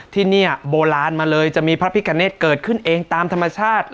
ที่นี่โบราณมาเลยจะมีพระพิกาเนตเกิดขึ้นเองตามธรรมชาติ